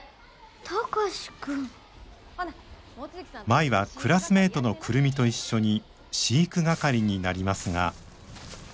舞はクラスメートの久留美と一緒に飼育係になりますが。